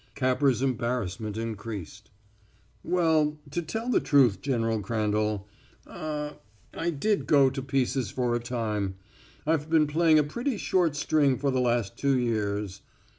Capper's embarrassment increased. "Well, to tell the truth, General Crandall ah I did go to pieces for a time. I've been playing a pretty short string for the last two years.